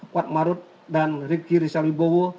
kuatmarut dan rigi rizal wibowo